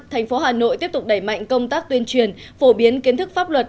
thành phố hà nội tiếp tục đẩy mạnh công tác tuyên truyền phổ biến kiến thức pháp luật